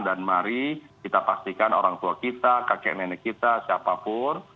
dan mari kita pastikan orang tua kita kakek nenek kita siapapun